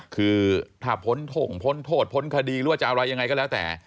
คือถ้าพ้นท่งพ้นโทษพ้นคดีหรือว่าจะอะไรยังไงก็แล้วแต่